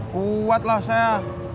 kuat lah saya